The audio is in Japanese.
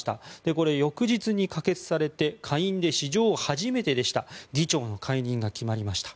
これ、翌日に可決されて下院で史上初めてでした議長の解任が決まりました。